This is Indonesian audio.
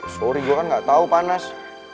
sorry gue kan gak tau panas